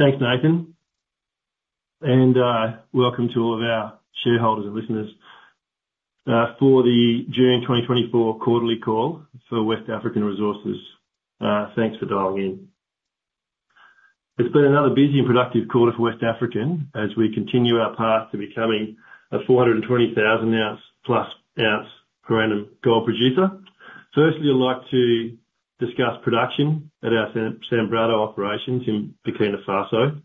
Thanks, Nathan, and welcome to all of our shareholders and listeners for the June 2024 quarterly call for West African Resources. Thanks for dialing in. It's been another busy and productive quarter for West African, as we continue our path to becoming a 420,000 ounce plus per annum gold producer. Firstly, I'd like to discuss production at our Sanbrado operations in Burkina Faso,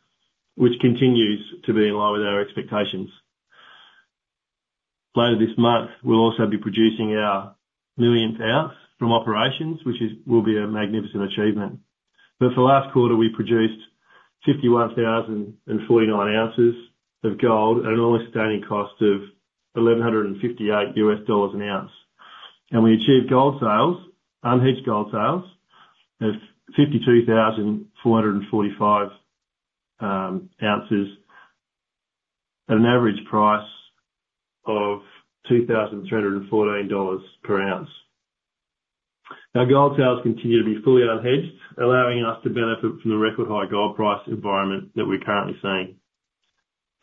which continues to be in line with our expectations. Later this month, we'll also be producing our millionth ounce from operations, which will be a magnificent achievement. But for last quarter, we produced 51,049 ounces of gold at an all-in sustaining cost of $1,158 an ounce. We achieved gold sales, unhedged gold sales, of 52,445 ounces at an average price of $2,314 per ounce. Our gold sales continue to be fully unhedged, allowing us to benefit from the record high gold price environment that we're currently seeing.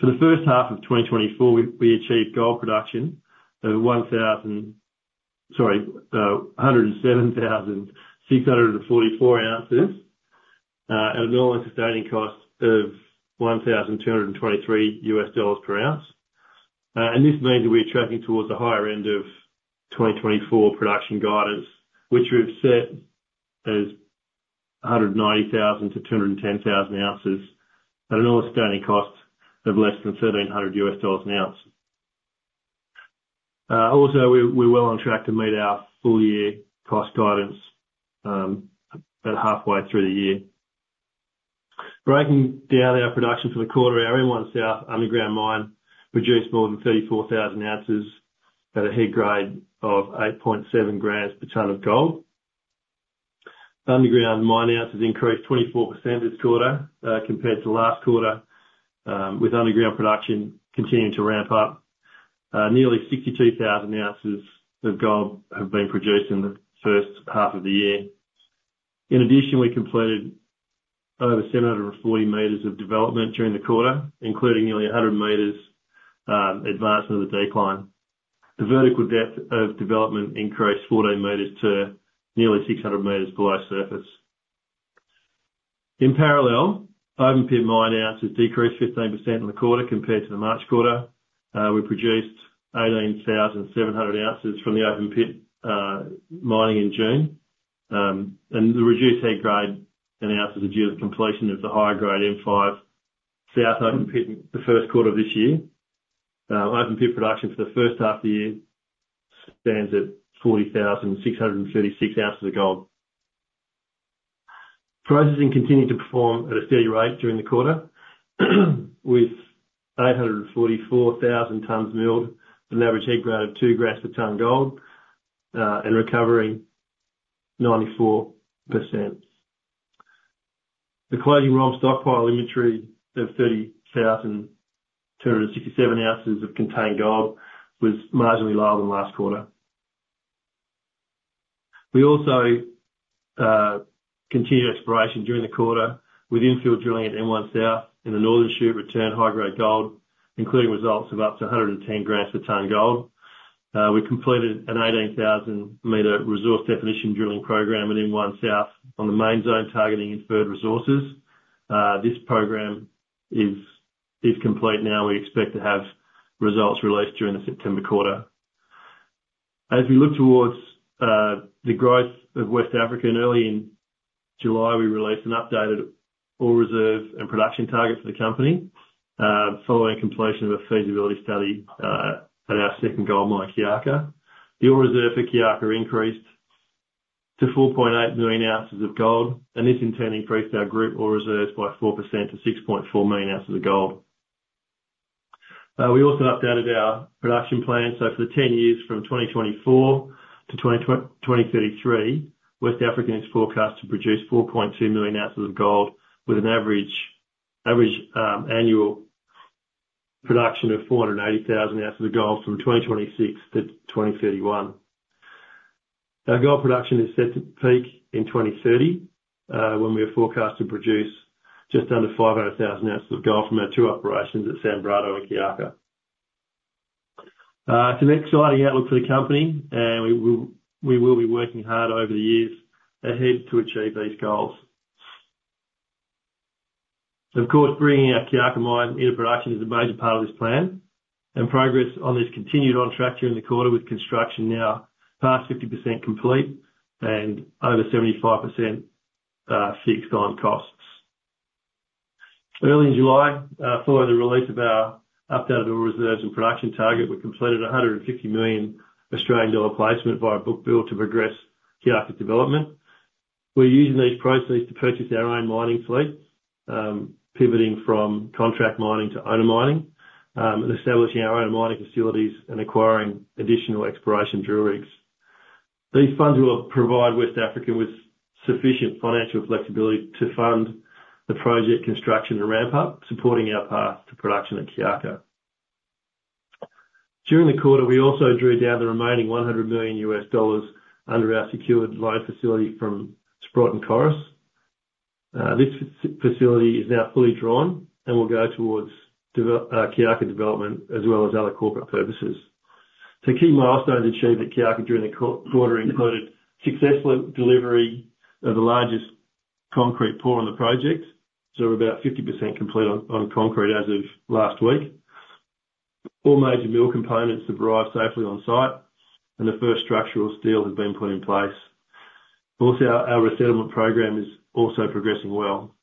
For the first half of 2024, we achieved gold production of 107,644 ounces at an all-in sustaining cost of $1,223 per ounce. And this means that we're tracking towards the higher end of 2024 production guidance, which we've set as 190,000-210,000 ounces at an all-sustaining cost of less than $1,700 per ounce. Also, we're well on track to meet our full year cost guidance, about halfway through the year. Breaking down our production for the quarter, our M1 South underground mine produced more than 34,000 ounces at a head grade of 8.7 grams per ton of gold. The underground mine ounces increased 24% this quarter, compared to last quarter, with underground production continuing to ramp up. Nearly 62,000 ounces of gold have been produced in the first half of the year. In addition, we completed over 740 meters of development during the quarter, including nearly 100 meters advancement of the decline. The vertical depth of development increased 14 meters to nearly 600 meters below surface. In parallel, open pit mine ounces decreased 15% in the quarter compared to the March quarter. We produced 18,700 ounces from the open pit mining in June. The reduced head grade and ounces are due to the completion of the higher grade M5 South open pit the first quarter of this year. Open pit production for the first half of the year stands at 40,636 ounces of gold. Processing continued to perform at a steady rate during the quarter, with 844,000 tons milled at an average head grade of 2 grams per ton gold and recovering 94%. The closing ROM stockpile inventory of 30,267 ounces of contained gold was marginally lower than last quarter. We also continued exploration during the quarter with infill drilling at M1 South, and the northern shoot returned high-grade gold, including results of up to 110 grams per ton gold. We completed an 18,000-meter resource definition drilling program at M1 South on the main zone, targeting inferred resources. This program is complete now. We expect to have results released during the September quarter. As we look towards the growth of West African, early in July, we released an updated ore reserve and production target for the company, following completion of a feasibility study at our second gold mine, Kiaka. The ore reserve for Kiaka increased to 4.8 million ounces of gold, and this in turn increased our group ore reserves by 4% to 6.4 million ounces of gold. We also updated our production plan, so for the ten years from 2024 to 2033, West African is forecast to produce 4.2 million ounces of gold, with an average annual production of 480,000 ounces of gold from 2026 to 2031. Our gold production is set to peak in 2030, when we are forecast to produce just under 500,000 ounces of gold from our two operations at Sanbrado and Kiaka. It's an exciting outlook for the company, and we will be working hard over the years ahead to achieve these goals. Of course, bringing our Kiaka mine into production is a major part of this plan, and progress on this continued on track during the quarter, with construction now past 50% complete and over 75% fixed on costs. Early in July, following the release of our updated ore reserves and production target, we completed an 150 million Australian dollar placement via book build to progress Kiaka development. We're using these proceeds to purchase our own mining fleet, pivoting from contract mining to owner mining, and establishing our own mining facilities and acquiring additional exploration drill rigs. These funds will provide West African with sufficient financial flexibility to fund the project construction and ramp up, supporting our path to production at Kiaka. During the quarter, we also drew down the remaining $100 million under our secured loan facility from Sprott and Coris. This facility is now fully drawn and will go towards Kiaka development, as well as other corporate purposes. So key milestones achieved at Kiaka during the quarter included successful delivery of the largest concrete pour on the project. So we're about 50% complete on concrete as of last week. All major mill components have arrived safely on site, and the first structural steel has been put in place. Also, our resettlement program is also progressing well.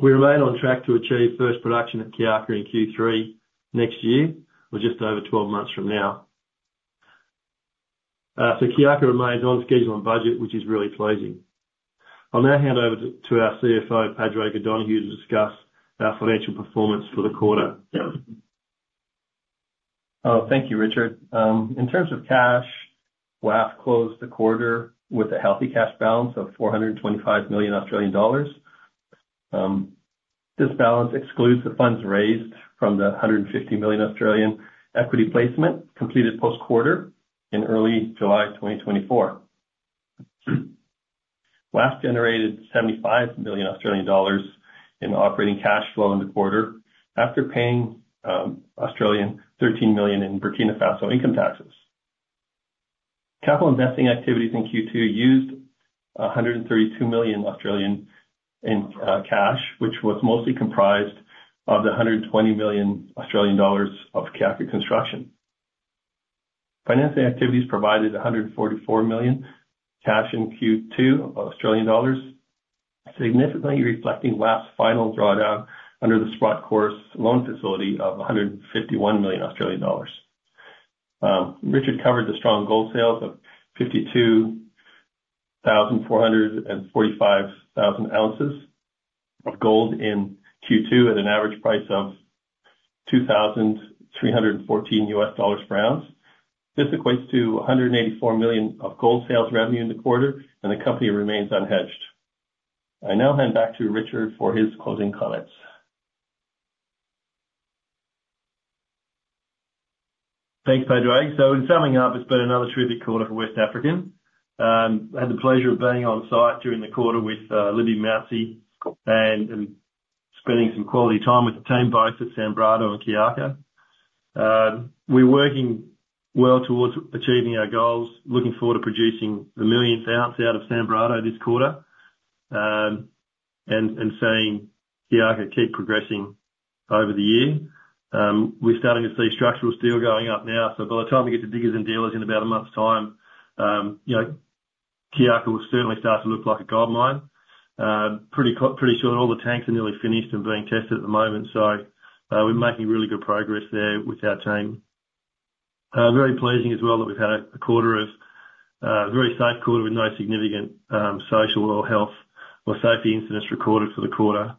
We remain on track to achieve first production at Kiaka in Q3 next year, or just over 12 months from now. So Kiaka remains on schedule and budget, which is really pleasing. I'll now hand over to our CFO, Padraig O'Donoghue, to discuss our financial performance for the quarter. Oh, thank you, Richard. In terms of cash, WAF closed the quarter with a healthy cash balance of 425 million Australian dollars. This balance excludes the funds raised from the 150 million Australian dollars equity placement completed post-quarter in early July 2024. WAF generated 75 million Australian dollars in operating cash flow in the quarter after paying 13 million Australian dollars in Burkina Faso income taxes. Capital investing activities in Q2 used 132 million in cash, which was mostly comprised of the 120 million Australian dollars of Kiaka construction. Financing activities provided 144 million cash in Q2, significantly reflecting WAF's final drawdown under the Sprott Coros loan facility of 151 million Australian dollars. Richard covered the strong gold sales of 52,445 ounces of gold in Q2 at an average price of $2,314 per ounce. This equates to 184 million of gold sales revenue in the quarter, and the company remains unhedged. I now hand back to Richard for his closing comments. Thanks, Pedro. So in summing up, it's been another terrific quarter for West African. I had the pleasure of being on site during the quarter with Libby Massey and spending some quality time with the team, both at Sanbrado and Kiaka. We're working well towards achieving our goals. Looking forward to producing the millionth ounce out of Sanbrado this quarter and seeing Kiaka keep progressing over the year. We're starting to see structural steel going up now, so by the time we get to Diggers and Dealers in about a month's time, you know, Kiaka will certainly start to look like a gold mine. Pretty sure all the tanks are nearly finished and being tested at the moment, so we're making really good progress there with our team. Very pleasing as well that we've had a quarter of a very safe quarter with no significant social or health or safety incidents recorded for the quarter.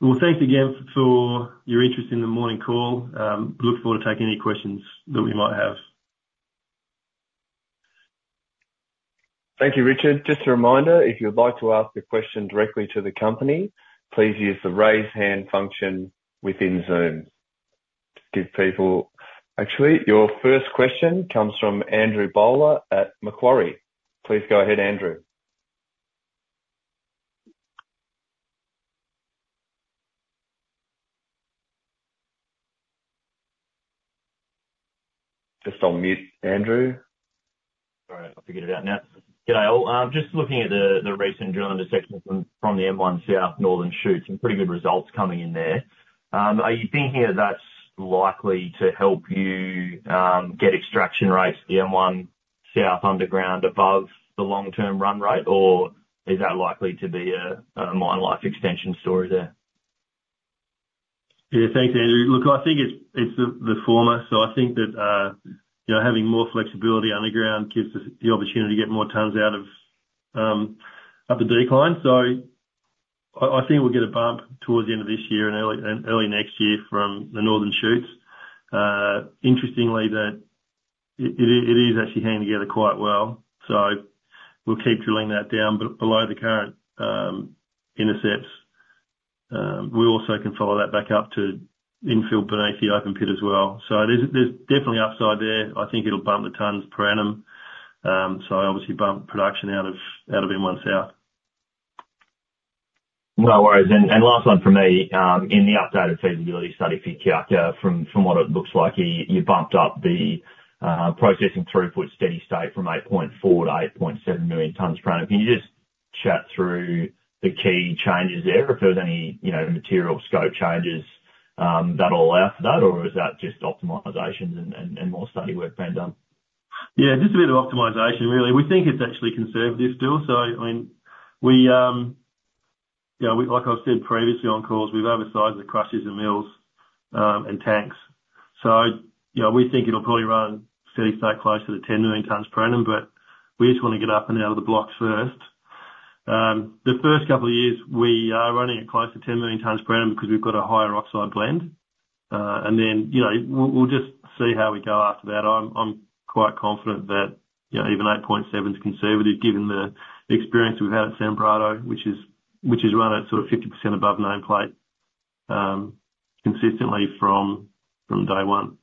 Well, thanks again for your interest in the morning call. Look forward to taking any questions that we might have. Thank you, Richard. Just a reminder, if you would like to ask a question directly to the company, please use the Raise Hand function within Zoom to give people... Actually, your first question comes from Andrew Bowler at Macquarie. Please go ahead, Andrew. Just on mute, Andrew. Sorry, I figured it out now. G'day, all. Just looking at the recent drilling intersections from the M1 South Northern shoots, some pretty good results coming in there. Are you thinking that's likely to help you get extraction rates for the M1 South underground above the long-term run rate, or is that likely to be a mine life extension story there? Yeah. Thanks, Andrew. Look, I think it's the former. So I think that, you know, having more flexibility underground gives us the opportunity to get more tons out of up the decline. So I think we'll get a bump towards the end of this year and early next year from the northern shoots. Interestingly, it actually is hanging together quite well, so we'll keep drilling that down below the current intercepts. We also can follow that back up to infill beneath the open pit as well. So there's definitely upside there. I think it'll bump the tons per annum. So obviously bump production out of M1 South. No worries. And last one from me. In the updated feasibility study for Kiaka, from what it looks like, you bumped up the processing throughput steady state from 8.4 to 8.7 million tons per annum. Can you just chat through the key changes there, if there was any, you know, material scope changes that allow for that? Or is that just optimizations and more study work being done? Yeah, just a bit of optimization, really. We think it's actually conservative still. So I mean, we, you know, like I've said previously on calls, we've oversized the crushers and mills, and tanks. So, you know, we think it'll probably run steady state closer to 10 million tons per annum, but we just want to get up and out of the blocks first. The first couple of years, we are running it close to 10 million tons per annum because we've got a higher oxide blend. And then, you know, we'll just see how we go after that. I'm quite confident. Yeah, even 8.7's conservative, given the experience we've had at Sanbrado, which is run at sort of 50% above nameplate, consistently from day one.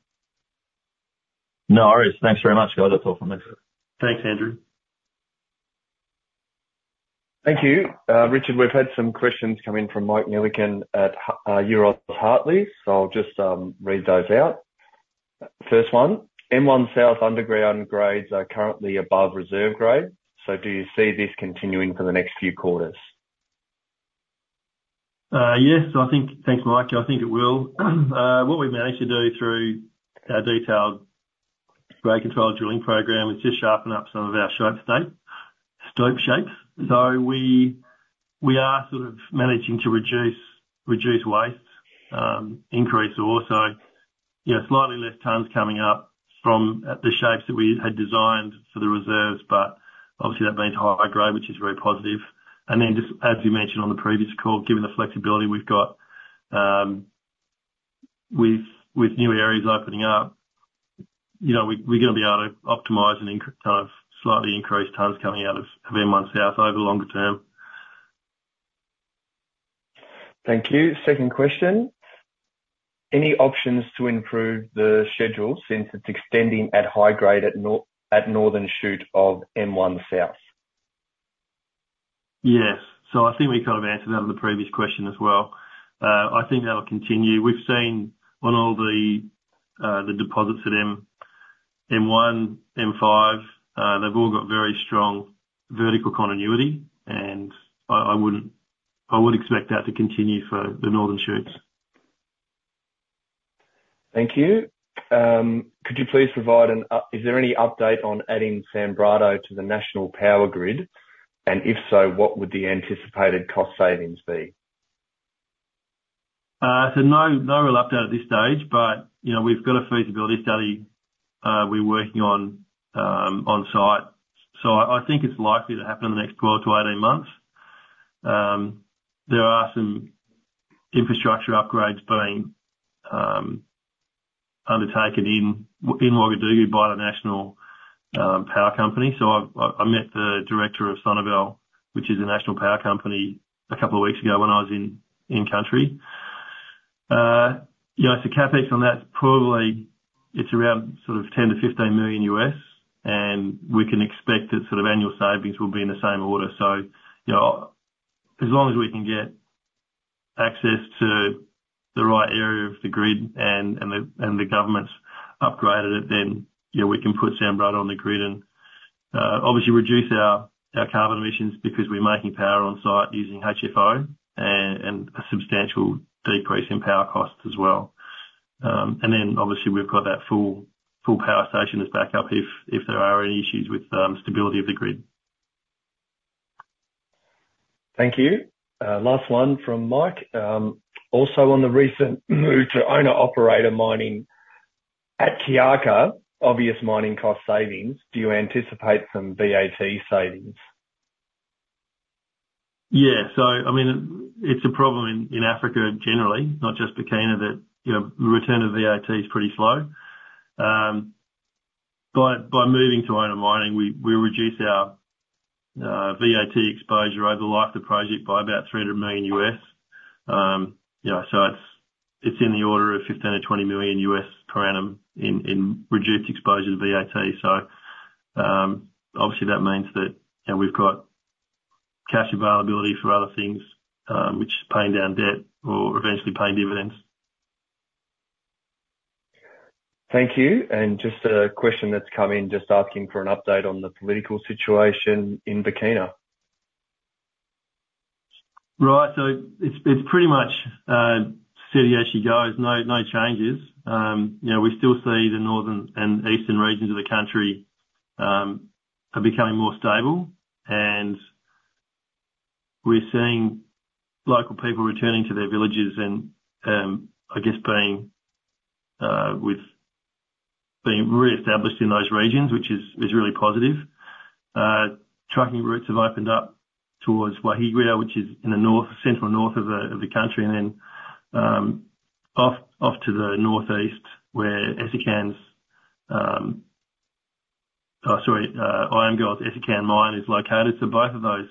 No worries. Thanks very much, guys. That's all from me. Thanks, Andrew. Thank you. Richard, we've had some questions come in from Mike Millikan at Euroz Hartleys. I'll just read those out. First one: M1 South underground grades are currently above reserve grade, so do you see this continuing for the next few quarters? Yes, I think. Thanks, Mike. I think it will. What we've managed to do through our detailed grade control drilling program is just sharpen up some of our stope shape, stope shapes. So we are sort of managing to reduce waste, increase ore. So, yeah, slightly less tons coming up from the shapes that we had designed for the reserves, but obviously, that means higher grade, which is very positive. And then, just as you mentioned on the previous call, given the flexibility we've got with new areas opening up, you know, we are gonna be able to optimize and inc- kind of slightly increase tons coming out of M1 South over the longer term. Thank you. Second question: Any options to improve the schedule since it's extending at high grade at Northern Shoot of M1 South? Yes. So I think we kind of answered that in the previous question as well. I think that'll continue. We've seen on all the deposits at M1, M5, they've all got very strong vertical continuity, and I would expect that to continue for the northern shoots. Thank you. Could you please provide an update on adding Sanbrado to the national power grid? And if so, what would the anticipated cost savings be? So no, no re-lap at this stage, but, you know, we've got a feasibility study, we're working on, on site. So I think it's likely to happen in the next 12-18 months. There are some infrastructure upgrades being undertaken in Ouagadougou by the national power company. So I met the director of SONABEL, which is a national power company, a couple of weeks ago when I was in country. You know, so CapEx on that, probably it's around sort of $10-$15 million, and we can expect that sort of annual savings will be in the same order. So, you know, as long as we can get access to the right area of the grid and the government's upgraded it, then, you know, we can put Sanbrado on the grid and obviously reduce our carbon emissions because we're making power on site using HFO and a substantial decrease in power costs as well. And then, obviously, we've got that full power station as backup if there are any issues with stability of the grid. Thank you. Last one from Mike. Also on the recent move to owner-operator mining at Kiaka, obvious mining cost savings, do you anticipate some VAT savings? Yeah. So I mean, it's a problem in Africa generally, not just Burkina, that, you know, return of VAT is pretty slow. By moving to owner mining, we reduce our VAT exposure over the life of the project by about $300 million. You know, so it's in the order of $15 million or $20 million per annum in reduced exposure to VAT. So, obviously, that means that, you know, we've got cash availability for other things, which is paying down debt or eventually paying dividends. Thank you. Just a question that's come in, just asking for an update on the political situation in Burkina. Right. So it's pretty much steady as you go. No changes. You know, we still see the northern and eastern regions of the country are becoming more stable, and we're seeing local people returning to their villages and I guess being reestablished in those regions, which is really positive. Trucking routes have opened up towards Ouahigouya, which is in the north, central north of the country, and then off to the northeast, where Essakane's. Sorry, I mean Essakane mine is located. So both of those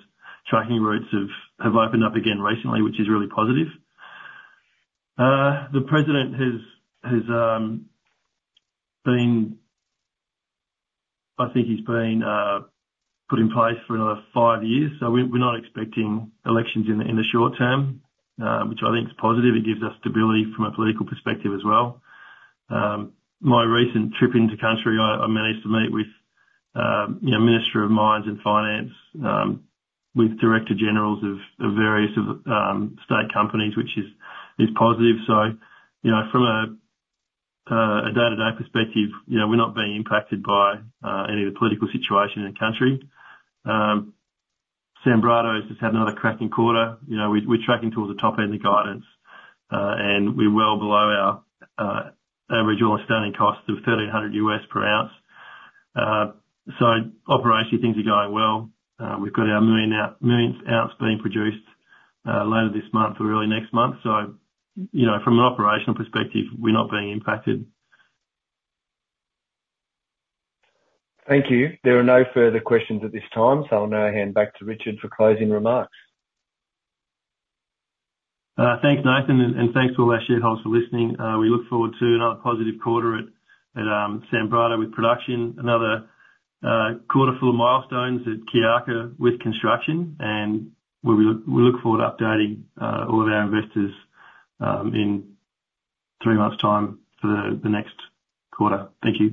trucking routes have opened up again recently, which is really positive. The president has been—I think he's been put in place for another five years, so we're not expecting elections in the short term, which I think is positive. It gives us stability from a political perspective as well. My recent trip into country, I managed to meet with, you know, Minister of Mines and Finance, with Director Generals of various state companies, which is positive. So, you know, from a day-to-day perspective, you know, we're not being impacted by any of the political situation in the country. Sanbrado has just had another cracking quarter. You know, we're tracking towards the top end of guidance, and we're well below our average all-in sustaining cost of $1,300 per ounce. So operationally, things are going well. We've got our 1 millionth ounce being produced later this month or early next month. So, you know, from an operational perspective, we're not being impacted. Thank you. There are no further questions at this time, so I'll now hand back to Richard for closing remarks. Thanks, Nathan, and, and thanks to all our shareholders for listening. We look forward to another positive quarter at Sanbrado with production, another quarter full of milestones at Kiaka with construction, and we look forward to updating all of our investors in three months' time for the next quarter. Thank you.